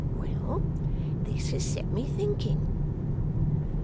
Well. This has set me thinking.